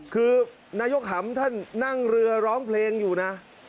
คือนายกหำท่านนั่งเรือร้องเพลงอยู่นะ